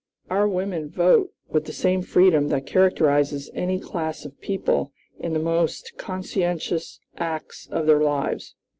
Our women vote with the same freedom that characterizes any class of people in the most conscientious acts of their lives."